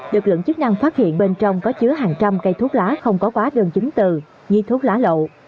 lực lượng chức năng phát hiện bên trong có chứa hàng trăm cây thuốc lá không có quá đơn chứng từ nghi thuốc lá lậu